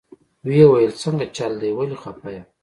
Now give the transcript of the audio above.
ويې ويل سنګه چل دې ولې خفه يې.